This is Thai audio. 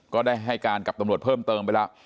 ก็ได้ให้การกับตำรวจเพิ่มเติมไปแล้ว